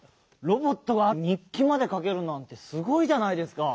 ロボットが日記までかけるなんてすごいじゃないですか。